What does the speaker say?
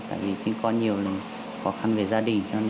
tại vì sinh con nhiều thì khó khăn về gia đình